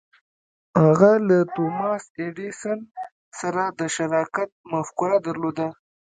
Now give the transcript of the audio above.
هغه له توماس ایډېسن سره د شراکت مفکوره درلوده.